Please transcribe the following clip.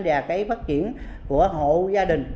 và cái phát triển của hộ gia đình